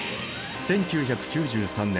１９９３年